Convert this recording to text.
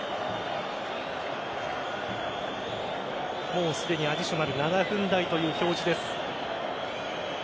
もうすでにアディショナル７分台という表示です。